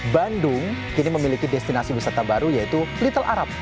bandung kini memiliki destinasi wisata baru yaitu little arab